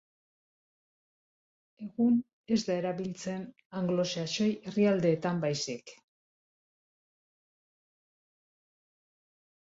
Egun, ez da erabiltzen anglosaxoi herrialdeetan baizik.